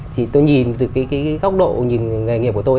thì tôi nhìn từ cái góc độ nhìn nghề nghiệp của tôi